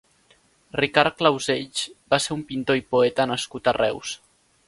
Ricard Clausells va ser un pintor i poeta nascut a Reus.